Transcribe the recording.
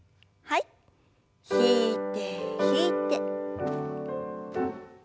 引いて引いて。